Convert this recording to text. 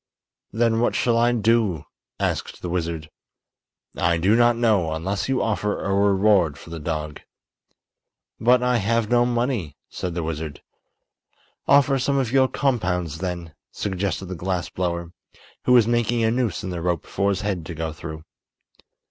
"Then what shall I do?" asked the wizard. "I do not know, unless you offer a reward for the dog." "But I have no money," said the wizard. "Offer some of your compounds, then," suggested the glass blower, who was making a noose in the rope for his head to go through.